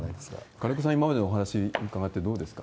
金子さん、今までのお話伺って、どうですか？